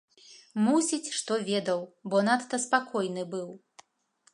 Мусіць, што ведаў, бо надта спакойны быў.